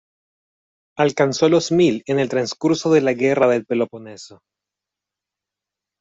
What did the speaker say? Alcanzó los mil en el trascurso de la Guerra del Peloponeso.